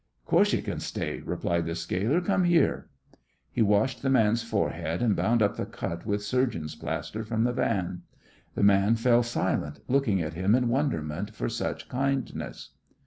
"Course you can stay," replied the scaler. "Come here." He washed the man's forehead, and bound up the cut with surgeon's plaster from the van. The man fell silent, looking at him in wonderment for such kindness.